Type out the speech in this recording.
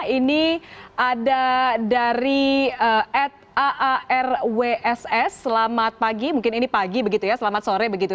ini ada dari at aarwss selamat pagi mungkin ini pagi begitu ya selamat sore begitu